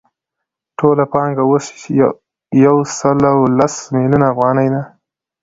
ټوله پانګه اوس یو سل لس میلیونه افغانۍ ده